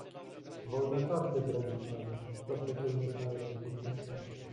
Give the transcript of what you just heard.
"Wolne żarty, drogi panie!— zaprzeczył nieznajomy z uśmiechem."